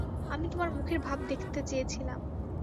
আমি তোমার মুখের ভাব দেখতে চেয়েছিলাম।